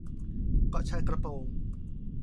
เกาะชายกระโปรง